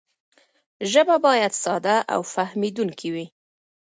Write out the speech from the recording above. ژبه باید ساده او فهمېدونکې وي.